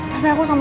tapi aku suka